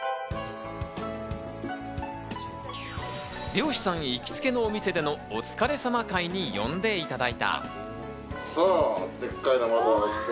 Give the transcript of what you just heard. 漁師さん行きつけのお店でのお疲れ様会に呼んでいただいた。